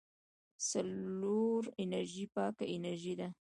سولر انرژي پاکه انرژي ده.